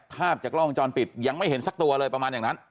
ภาพจากกล้องวงจรปิดยังไม่เห็นสักตัวเลยประมาณอย่างนั้น